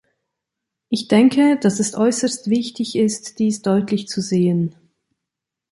Ich denke, dass es äußerst wichtig ist, dies deutlich zu sehen.